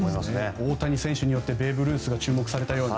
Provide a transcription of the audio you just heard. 大谷選手によってベーブ・ルースが注目されたように。